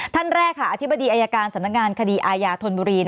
ท่านแรกค่ะอธิบดีอายการสำนักงานคดีอาญาธนบุรี